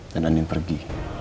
dan andin pergi